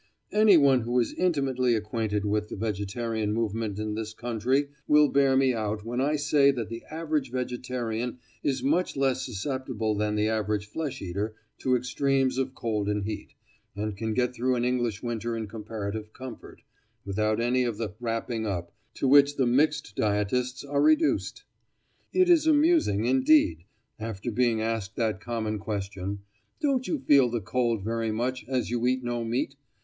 " Footnote 30: Nineteenth Century, August, 1898. Anyone who is intimately acquainted with the vegetarian movement in this country will bear me out when I say that the average vegetarian is much less susceptible than the average flesh eater to extremes of cold and heat, and can get through an English winter in comparative comfort, without any of the "wrapping up" to which the mixed dietists are reduced. It is amusing, indeed, after being asked that common question, "Don't you feel the cold very much, as you eat no meat?"